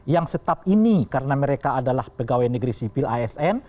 yang setap ini karena mereka adalah pegawai negeri sipil asn